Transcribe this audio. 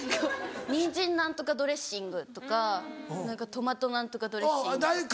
ニンジン何とかドレッシングとか何かトマト何とかドレッシングとか。